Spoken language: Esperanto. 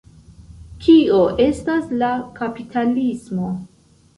Kio estas la kapitalismo?